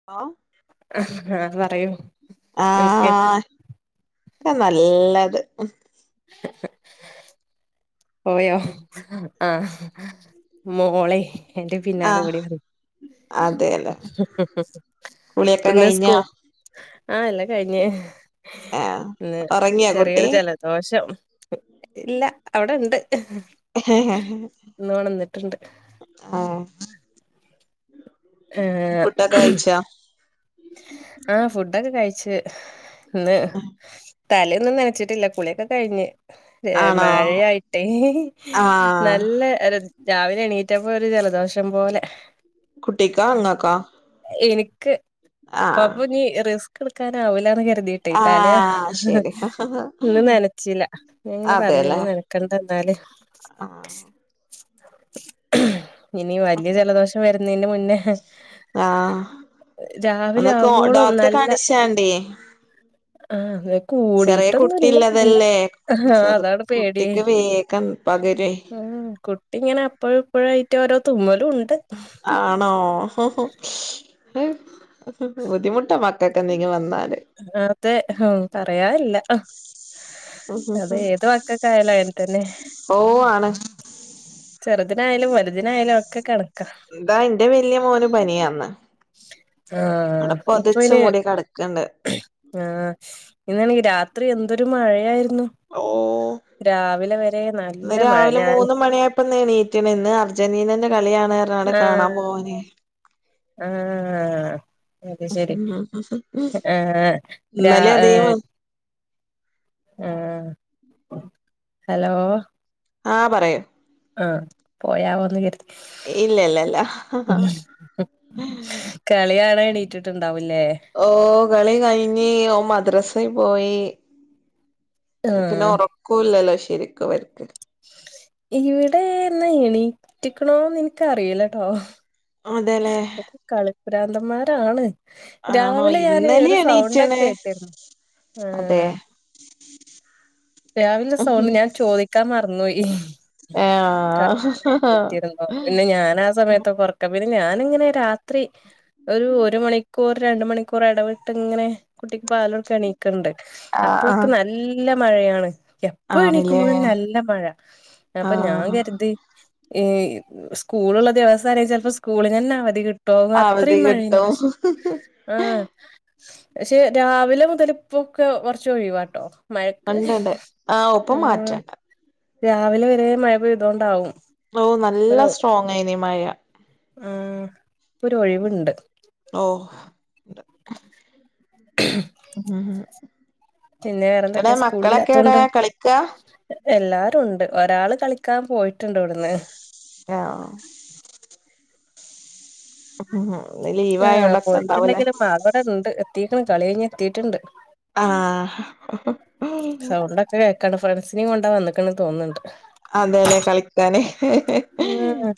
Hello ആഹ് പറയൂ ആഹ് എന്തൊക്കെണ്ട് ആഹ് നല്ലത് [unintelligible] പോയോ ആഹ് മോളെ എന്റെ പിന്നാല ആഹ് ഓടി വന്നു അതെല്ലേ [unintelligible] കുളിയൊക്കെ ഒന്ന കഴിഞ്ഞോ സ്കോ ആഹ് എല്ലാം കഴിഞ്ഞ് ആഹ് ഒറങ്ങിയോ കുട്ടി ചെറിയൊരു ജല ദോഷം ഇല്ല അവിടെ ഇണ്ട് ആഹ് ഏഹ് ഡക്കകഴിച്ച ആഹ് ഫുഡൊക്കെ കഴച്ച് ഇന്ന് തലയൊന്നും നനച്ചിട്ടില്ല കുളിയൊക്കെ കഴിഞ്ഞ് ആണോ മഴയായിട്ടേ ആഹ് നല്ല ര് രാവിലെ എണീറ്റപ്പൊ ഒരു ജലദോഷം പോലെ കുട്ടിക്കാ അങ്ങക്കാ എനിക്ക് അപ്പൊ നീ റിസ്ക് എടുക്കാനാവൂല്ലന്ന് കരുതിട്ട് ട്ടീട്ടല് ആഹ് ശരി ഇന്ന് നനച്ചില്ല ഞങ്ങന് അതെല്ലേ പറഞ്ഞന്ന് നനച്ച കണ്ടന്താല് ആഹ് ഇനി വലിയ ജലദോഷം വരുന്നിന്റ് മുന്നേ ആഹ് രാവിലെ ഒന്ന് കോ ആവോളം ഡോക്ട നല്ല കാണിച്ചാണ്ടേ ആഹ് അത കൂടിട്ടൊന്നുംല്ല പിന്ന കുട്ടിള്ളതല്ലേ ആ ചെറു അതാണ് പേടിയേ കുട്ടിക്ക് വേഗം പകരുവേ ഉം കുട്ടി ഇങ്ങനെ അപ്പഴും ഇപ്പോഴായിട്ട് ഓരോ തുമ്മലും ഉണ്ട് ആണോ ഹോ ഹോ ബുദ്ധിമുട്ടാ മക്കൊക്കെ എന്തേലും വന്നൽ വെറുതെ ഹ പറയനില്ല അതെ ഏത് മക്കൊക്ക ആായാലോ അങ്ങന തന്നെ ഓ ആണ് ചെറുതിനായാലും വലുതിനായാലും ഒക്കെ കണക്കാ എന്താ എന്റെ വലിയ മോന് പനിയാന്ന് ആഹ് അവിടെ ഇപ്പൊ പൊതച്ചു അയിന് മൂടി കടക്കണ്ട് ആഹ് ഇന്നാണെങ്കിൽ രാത്രി എന്തൊരു മഴയായിരുന്നു ഓ രാവിലെ വരെ നല്ല മഴ ഞാൻ ഇപ്പം നേണീറ്റിണ് ഇന്ന് അർജന്റീനന്റെ കളിയാണ് പറഞ്ഞ് ങ്ങണ്ട് കാണാൻ ആഹ് പോകാനെ ആഹ് അത് ശരി ആ രാ ഇന്നലെ അതേ ആഹ് ഹലോ ആഹ് പറയൂ ആഹ് പോയാവൊന്ന് കരുതി ഇല്ല ഇല്ല ഇല്ല ഉം കളി കാണാൻ എണീറ്റിട്ടുണ്ടാവല്ലേ ഓ കളി കഴിഞ്ഞ ഓൻ മദ്രാസെ പോയി പിന്നെ ആഹ് ഉറക്കവുംല്ലല്ലോ ശരിക്കും ഇവർക്ക് ഇവിടെ എന്ന് എണീറ്റിക്കണോന്ന് എനിക്കറിയിലട്ടോ അതെല്ലേ കളിപ്രാന്തന്മാരാണ് ആണോ രാവിലെ ഞാന് ഇന്നലെ ഒരു സൗണ്ടൊക്കെ എണീറ്റ്ണ് കേട്ടിരുന്നു ആ അതെ രാവിലെ സൗണ്ട് ഞാൻ ചോദിക്കാൻ മറന്നു പോയി കളി ആഹ് എണീറ്റിരുന്ന് പിന്നെ ഞാനാ സമയത്ത് ക്ക പിന്നെ ഞാനിങ്ങനെ രാത്രി ഒരു ഒരു മണിക്കൂർ രണ്ട് മണിക്കൂർ ഇടവിട്ട് ഇങ്ങനെ കുട്ടിക്ക് പാല് കൊടുക്കാൻ എണീകും ക്കണ്ട് ആഹ് അപ്പോഴക്ക ആഹ് നല്ല മഴയാണ് എ എപ്പ ആണ്ല്ലേ എണീക്കുമ്പോഴും നല്ല മഴ അപ്പൊ ഞാൻ ആഹ് കരുതി ഏഹ് സ്കൂളുള്ള ദിവസാന ചിലപ്പോ സ്കൂളി തന്നെ അവധി കിട്ട ട്ട അവധി അത്രയും മഴേന കിട്ടും പക്ഷെ ആഹ് പക്ഷെ രാവിലെ മുതലിപ്പൊൊക്കെ കുറച്ച് ഒഴിവാട്ടോ മഴക്ക് ഉണ്ട്ണ്ട് ആഹ് ഒപ്പം ഉം മാറ്റണ്ട രാവിലെ വരെ മഴ പെയ്തോണ്ടാവും ഓ നല്ല ഒരു സ്ട്രോങ്‌ ആയിരുന്നു ഈ മഴ ആ ഹ്ഇപ്പ ഒരു ഒഴിവുണ്ട് ഓ [inaudible] പിന്നെ എവിടെ വേറെന്തൊക്കെയാ മക്കളൊക്കെ എവിടെ സ്കൂളില്ലാത്തോണ്ട് കളിക്ക എല്ലാരും ഉണ്ട് ഒരാള് കളിക്കാൻ പോയിട്ടുണ്ട് ഇവിടുന്ന് ആഹ് ഉം ഇന്ന് ആ ലീവായോണ്ടൊക്കെ ഇണ്ടാവൂലേ പോയിട്ടുണ്ടെങ്കിലും അൾ ഇവിടെ ഉണ്ട് എത്തിക്കണ് കളി കഴിഞ്ഞ് എത്തിയിട്ടുണ്ട് ആഹ് സൗണ്ട് ഒക്കെ കേൾക്കാനുണ്ട് ഫ്രൻസിനെയും കൊണ്ടാ വന്നക്കണ തോന്നുന്നുണ്ട് അതെല്ലേ കളിക്കാന് ഉം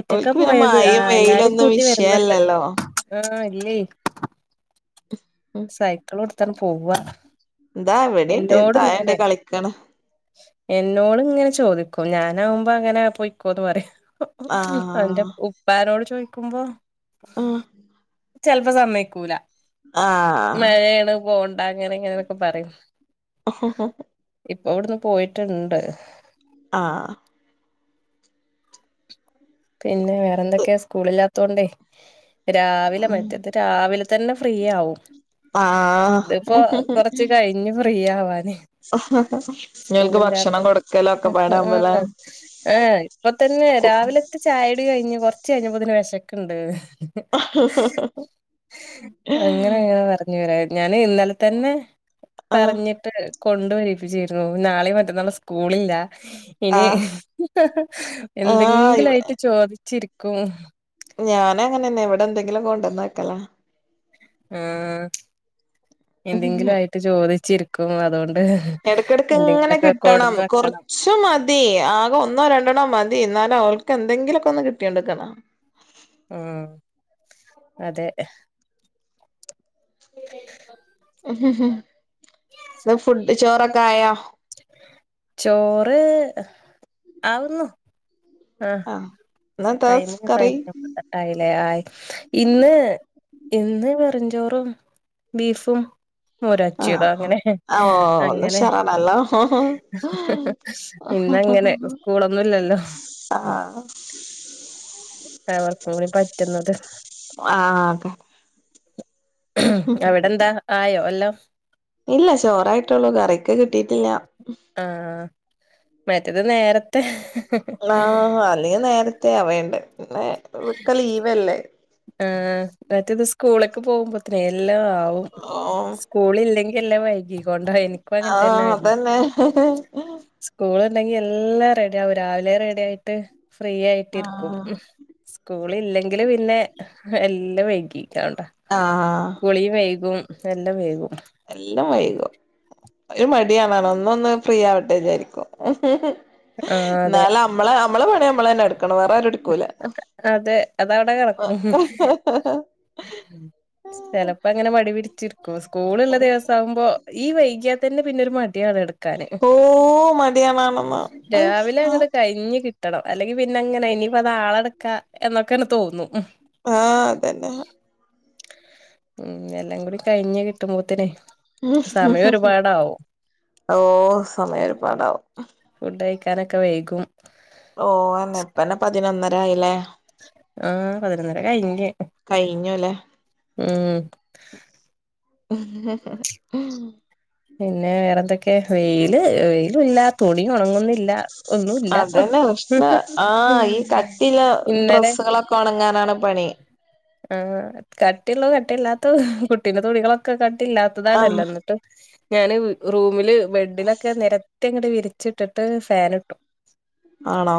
ഒറ്റക്കാ ഓൽക്ക്പിന്നെ പോയത് ആ മഴയും വെയിലൊന്നും വിഷയല്ലല്ലോ ആഹ ഇല്ലേ സൈക്കിൾ ഇടുത്തു പോവാ ഇതാ ഇവിടെണ്ട് തായേണ്ട് കളിക്കണ് എന്നോട് ഇങ്ങനെ ചോദിക്കും ഞാനാവുമ്പോ അങ്ങനെ പോയിക്കോന്ന് പറയും അവന്റെ ആഹ് ഉപ്പാരോട് ചോയ്ക്കുമ്പോ ആഹ് ചെലപ്പോ സമ്മയിക്കൂല ആഹ് മഴയാണ് പോണ്ട അങ്ങനെ ഇങ്ങനെന്നൊക്കെ പറയും [unintelligible] ഇപ്പൊ ഇവിടന്ന് പോയിട്ടുണ്ട് ആഹ് പിന്നെ വേറെന്തൊക്കെയാ സ്കൂളില്ലാത്തോണ്ടേ രാവിലെ അതാണ് മറ്റത് രാവിലെ തന്നെ ഫ്രീ ആവും ആഹ് ഇതിപ്പോ കൊറച്ച് കഴിഞ്ഞു ഫ്രീ ആവാന് ഇങ്ങൾക്ക് സ്കൂളില്ലാത്ത ഭക്ഷണം കൊടുക്കലൊക്കെ പാടാവുമ്പല്ലേ ആഹ് ഇപ്പൊ തന്നെ രാവിലത്തെ ചായടി കഴിഞ്ഞ് കൊറച്ച് കഴിഞ്ഞപതന്നെ വിശക്കുന്നുണ്ട് അങ്ങനെ അങ്ങനെ പറഞ്ഞു വരാ ഞാന് ഇന്നാല തന്നെ ആഹ് പറഞ്ഞിട്ട് കൊണ്ടുവരപ്പിച്ചിരുന്നു നാളെ മറ്റന്നാളും സ്കൂളില്ല ഇനി ആഹ് ആഹ് എന്തെങ്കിലും ഇവ ആയിട്ട് ചോദിച്ചിരിക്കും ഞാന ങ്ങനെന്നെ ഇവിടെ എന്തെങ്കിലും കൊണ്ടന്ന് വക്കല ആഹ് എന്തെങ്കിലും ആയിട്ട് ചോദിച്ചിരിക്കും അതുകൊണ്ട് എടക്കിടക്ക് ഇങ്ങനെ എന്തെങ്കിലൊക്കെ കിട്ടണം കൊടുന്ന് കൊറച്ച് വെക്കണം കുറച്ചു മതി ആകെ ഒന്നോ രണ്ടെണ്ണോ മതി എന്നാലും അവൾക്ക് എന്തെങ്കിലുമൊക്കെ ഒന്ന് കിട്ടിയോണ്ടിരിക്കണം ആഅതെ എന്താ ഫുഡ് ചോറൊക്കെ ആയാ ചോറ് ആവുന്നു ആഹ് ഇന്നെന്താ [unintelligible] കറി കട്ട് ആയില്ലേ ആയി ഇന്ന് ഇന്ന് വെറ്ഞ്ചോറും ബീഫും മോര്കാച്ചിയതും ആഹ് അങ്ങനെ ഓ അങ്ങനെ [unintelligible] ഇന്നങ്ങനെ സ്കൂളൊന്നുംല്ലല്ലോ ആഹ് അവർക്കും കൂടി പറ്റുന്നത് ആഹ്ക അവിടെന്താ ആയോ എല്ലാം ഇല്ല ചോറായിട്ടുള്ളൂ കറിക്ക് കിട്ടിയിട്ടില്ല ആഹ് മറ്റത് നേരത്തെ ആഹ് അല്ല നേരത്തെ അവേണ്ട് പിന്നെ ഒക്ക ലീവല്ലേ ആഹ് മറ്റേത് സ്കൂൾക്ക് പോകുമ്പോ എല്ലാം ആവും ഓഹ് സ്കൂളില്ലെങ്കിൽ എല്ലാം വൈകി കൊണ്ടോനെ എനിക്കും ആഹ് അങ്ങനത്തെന്നായിരുന്നു അതന്നെ സ്കൂളുണ്ടെങ്ങി എല്ലാം റെഡി ആവും രാവിലെ റെഡി ആയിട്ട് ഫ്രീ ആയിട്ടിരിക്കും ആഹ് സ്കൂളില്ലെങ്കില് പിന്നെ എല്ലാം വൈകിക്കാണ്ടാ ആഹ് കുളി വൈകും എല്ലാം വൈകും എല്ലാം വൈകും ഒരു മടിയാവ്വാണ് ഒന്ന് ഒന്ന് ഫ്രീ ആവട്ടെന്ന് വിചാരിക്കും ആഹ് അതെ എന്നാലും മ്മളെ നമ്മളെ പണിയമ്മള് തന്നെ എടുക്കണം വേറെ ആരും എടുക്കൂല അതെ അതവിടെ ഹാ കിടക്കും [unintelligible] ചെലപ്പോങ്ങനെ മടി പിടിച്ചിരിക്കും സ്കൂളുള്ള ദെവസമാകുമ്പോ ഈ വൈകിയ ഇതന്നെ പിന്നെ ഒരു മടിയാണ് എടുക്കാന് ഓന് മടിയാവനാണെന്ന രാവിലെങ്ങട് കഴിഞ്ഞ് കിട്ടണം അല്ലെങ്കിപിന്നെങ്ങനെ ഇനിയിപ്പോ നാളെടുക്കാ എന്നൊക്കെന്ന തോന്നും ആഹ് അതന്നെ ഉം എല്ലാം കൂടി കഴിഞ്ഞ് കിട്ടുമ്പോത്തേനേ ഓഹ് സമയം ഒരുപാടാവും ഫുഡ് കയിക്കാനൊക്കെ വൈകും ഓ ഇപ്പന്നെ പതിനൊന്നരായില്ലേ ആഹ് പതിനൊന്നര കയിഞ്ഞ് കഴിഞ്ഞുല്ലേ ഉം [inaudible] പിന്നെ വേറെന്തൊക്കെ വെയില് വെയിലും ഇല്ല തുണി ഒണങ്ങുന്നില്ല ഒന്നുല്ല അതന്നെ പ്രഷ്ന ആഹ് ഈ കട്ടില്ലേ ഇന്നലെ ഡ്രെസ്സുകളൊക്കെ ഒണങ്ങാനാണ് പണി ആഹ് കട്ടിയില്ലതും കട്ടില്ലാത്ത കുട്ടീന്റെ തുണികളൊക്കെ ആഹ് കട്ടില്ലാത്തതാണല്ലോന്ന് ഞാന് റൂമില് ബെഡിലൊക്കെ നിരത്തി അങ്ങട് വിരിച്ചിട്ടിട്ട് ഫാൻ ഇട്ടു ആണോ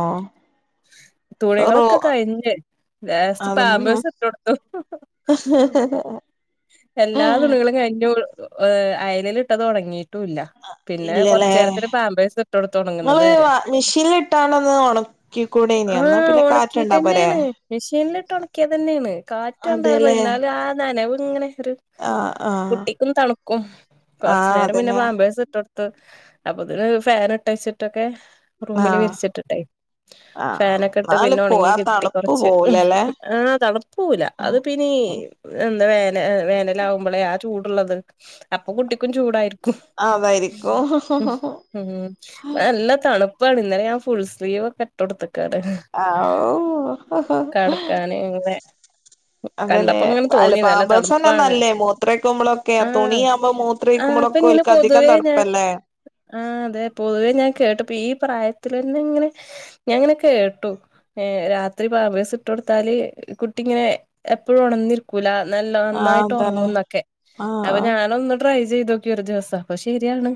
റോ തുണികളൊക്കെ കഴിഞ്ഞ് ലാസ്റ്റ് അതൊന്നും പാമ്പേഴ്സിട്ടോടുത്തു എല്ലാ തുണികളും കഴിഞ്ഞു അയലിലിട്ടത് ഒണങ്ങീട്ടുമില്ല പിന്നെ ഇല്ലല്ലേ കൊറച്ചു നേരത്തിന് പാമ്പേഴ്സിട്ടോടുത്തു ഉണങ്ങുന്നത് നിങ്ങള് വരെ മിഷീനിലിട്ടാണൊന്ന് ആ ഉണക്കിക്കൂടേനിയോ എന്നാ പിന്നെ കാറ്റുണ്ടാ പോരേ ഒണക്കിറ്റന്നെയാണ് മെഷീനിലിട്ട് ഒണക്കിയത്തന്നെയാണ് അതെല്ലേ കാറ്റണ്ടായിരുന്നോ ഇന്നാലും ആ നനവിങ്ങനെ ഒരു ആഹ് ആഹ് കുട്ടിക്കും തണുക്കും കൊറച്ചു ആഹ് നേരം പിന്നെ അതന്നെ പാമ്പേഴ്സ് ഇട്ടോടുത്തു അപ്പൊ ഇതിന് ഫാൻ ഇട്ട്വെച്ചിട്ടൊക്കെ റൂമില് ആഹ് വിരിച്ചിട്ടിട്ടെ ആഹ് ഫാനൊക്കെ ഇട്ട് എന്നാല് പിന്നെ പോ ഉണങ്ങി ആ കിട്ടി തണുപ്പ് കൊറച്ച് പോവൂലല്ലേ ആഹ് തണുപ്പ് പോവൂല അതിപ്പിനി എന്താ വേന വേനലകുമ്പോളെ ആ ചൂടുള്ളത് അപ്പൊ അപ്പ കുട്ടിക്കും ചൂടായിരിക്കും അതായിരിക്കും ആഹ് അഹ് നല്ല തണുപ്പാണ് ഇന്നലെ ഞാൻ ഫുൾ സ്ലീവ് ഒക്കെ ഇട്ടോടുത്തക്കാണ് ആവൂ നടക്കാനിങ്ങനെ അതല്ലേ അല്ലെ പാമ്പേഴസന്നെ തണുപ്പാണ് നല്ലേ മൂത്രയിക്കുമ്പോളൊക്കെ ആഹ് തുണിയാ- ആഹ് അപ്പൊ മൂത്രയിക്കുമ്പോളൊക്കെ ഇങ്ങനെ ഒരിക്ക് അധികം പൊതുവേ ഞാൻ തണുപ്പല്ലേ ആഹ് അതെ പൊതുവേ ഞാൻ കേട്ടപ്പ ഈ പ്രായത്തിലന്നെയിങ്ങനെ ഞാനിങ്ങനെ കേട്ടു ഏഹ് രാത്രി പാമ്പേഴ്സിട്ടു കൊടുത്താല് കുട്ടി ഇങ്ങനെ എപ്പോഴും ഒണർന്നി ക്കൂല നല്ല ആഹ് നന്നായിട്ട് അതാണ് ഉറങ്ങുന്നൊക്കെ അപ്പൊ ആഹ് ഞാൻ ഇതൊന്ന് ട്രൈ ചെയ്തോക്കി ഒര് ദിവസം, പ്പൊ ശര്യാണ്.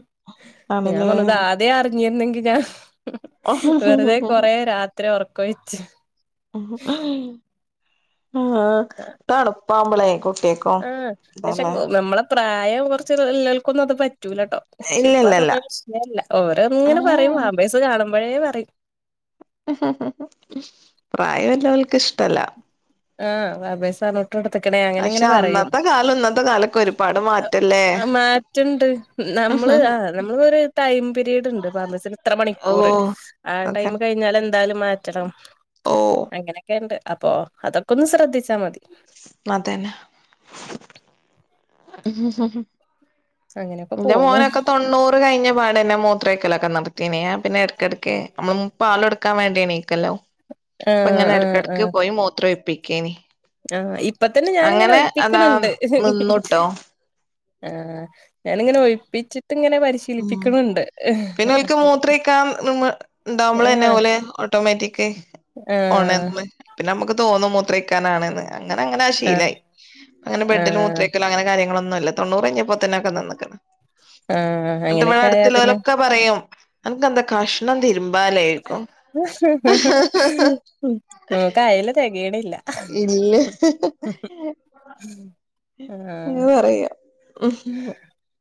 ഞാ ആണല്ലേ വന്നത് ആത്. തെ അറിഞ്ഞിരുന്നെങ്കിലോ, വെറുതെ കൊറെ രാത്രി ഒറക്കൊഴിച്ചു. ആഹ്. ത. തണുപ്പാവു മ്പളെ, കുട്ടിയേക്ക്. ആഹ് പക്ഷെ നമ്മളെ പ്രായം കൊ റച്ച്ള്ളൾക്കൊന്നു അത് പറ്റൂലട്ടോ. ച് ഇല്ല ഇല്ല ഇല്ല ഇപ്പതൊന്നരു വിഷയേ അല്ല. ഓര ങ്ങനെ പറയും. ഉം പാമ്പേസ് കാണുമ്പഴേ പറയും. [inaudible] പ്രായല്ലോ ൾ ക്ക്ഷ്ടല്ല. ആഹ്, അബേസാണ്. ട്ടോട്ത്കിണ് അങ്ങനെ ങ്ങനെ പക്ഷെ പറയും. അന്നത്തെ കാലം ഇന്നത്തെ കാലൊക്കെ ഒരുപാട് [unintelligible] മാറ്റല്ലേ റ്റ്ണ്ട്. നമ്മള് ആഹ്, നമ്മളരു ടൈം പിരീഡ്ണ്ട് ഫാമസി. ഇത്ര ഓ മണിക്കൂറ്. ആ ടൈം അതെ കഴിഞ്ഞാലന്തായാലും മാറ്റണം. ഓ അങ്ങനെ. ക്കണ്ട്, അപ്പോ അതൊക്കൊന്ന് ശ്രദ്ധിച്ചാ മതി. മതേന. ഹ് ഹ്. ഹ് [inaudible] അങ്ങനെയൊക്കെ ഇന്റെ പോണു മോനൊക്കെ തൊണ്ണൂ പ്പ് കഴിഞ്ഞ പാടന്നെ മൂത്രൊ യി ക്കലൊക്കെ നിർത്തീന്. എ പിന്നെ എടക്കിടക്ക് നമ്മള് മൂ പാലൊ ടുക്കാൻ വേണ്ടി ണീക്കല്ലോ. ആഹ് ഇപ്പങ്ങനെ ആഹ് എടക്ക ടക്ക് ആഹ് പോയി മൂത്രോ ഴി പ്പിക്കേനി. ആഹ്, ഇപ്പ തന്നെ ഞാനി ങ്ങനെ അതാ ഒഴിപ്പിക്ണ് ണ്ട്. നിന്നുട്ടോ ആഹ്, ഞാനിങ്ങനെ ഒഴിപ്പിച്ചിട്ട് ങ്ങനെ ഉം പരിശീലിപ്പിക്ക്ണ് ണ്ട്. ണ്ടാവമ്പളന്നേ, ഓല് ഓട്ടോമാറ്റിക് ആഹ് ഓണറ്ന്ന്. പിന്നെ, നമ്മക്ക് തോന്നും മൂത്രൊ യി ക്കാനാണ്ന്ന്. അങ്ങനെ ങ്ങനെ ആഹ് ശീലായി. പ്പ അങ്ങനെ ബെഡിൽ മൂത്ര ആഹ് ഒഴിക്കല് പ്പങ്ങനെ കാര്യങ്ങളൊന്നുംല്ല തൊണ്ണൂറഴ്ഞ്ഞപ്പോെത്ത ന്നതൊക്കെ നിന്ന്ക്ക്ണ് ആഹ് ന്ന്ട്ട് ബടെ അങ്ങനെയൊക്കെ ആയാ പിന്നെ അടുത്തുള്ളോലെക്കെ പറയും അൻക്കന്താ കശ് ണം തിരുമ്പാലേക്കോ? തെകയി ണില്ല. ഇല്ല. ആഹ് ഇങ്ങള് പറയാ. ഹും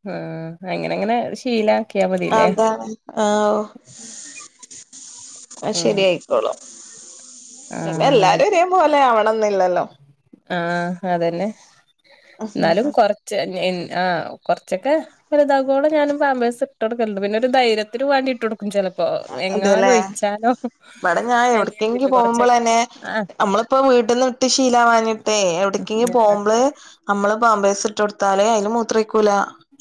ഉം, അങ്ങനെങ്ങനെ ശീല അതാണ്. ആഹ്, ഓ അഹ് ആഹ് ശരിയായി. ള പിന്നെ, ആഹ് അത് എല്ലാരു ശരി രേപോലെ ആവണം ന്നില്ലല്ലോ? ആഹ് അതന്നെ ന്നാലും കൊർച്ച് എൻ ആഹ് കൊർച്ചൊക്കെ. വൽതാകോളം ഞാനും പാമ്പേസ് ട്ടൊ ട് ക്കല്ണ്ട്. പിന്നെ ഒരു ധൈര്യത്തിന് വാണ്ടിട്ടൊട് ചെലപ്പോ, അതെല്ലേ എങ്ങാനൊഴിച്ചാലോ, എന്ന്കര്തിട്ട്. കൊറ മ്പോളന്നെ അമ്മളിപ്പോ വീട്ന്ന്ട്ട് ശീലാവാഞ്ഞിട്ടേ, എവിടക്കെ പോവു മ്പള്. അമ്മള് പാമ്പേസ് ഇട്ടൊടുത്താലേ അയില് മൂത്രൊയി കൂല,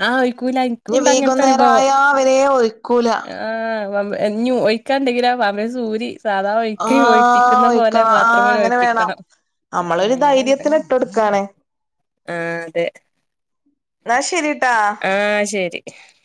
ആഹ് ഒഴിക്കൂല നി എനിക്കുണ്ട് അങ്ങനത്തെ അനുഭവം വീകുന്നേരായാവരെ ഒയി ക്കൂല. ആഹ്, പമ്പ് ഇഞ് ഒഴിക്കാണ്ടെങ്കിലൊ പാമ്പസ് ഊരി. സാധാ ഒഴിക്ക ആഹ് ഒഴിപ്പിക്ന്ന പോലെ, ബാത്റൂമിലൊഴിപ്പിക്കണം. അമ്മളൊരു ധൈര്യത്തിന് ഇട്ടൊട് ക്കാണ്. ആഹ്, അതെ. ന്നാ ശരിട്ടാ... ആഹ്, ശരി. [inaudible]